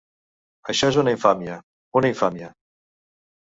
-Això és una infàmia, una infàmia!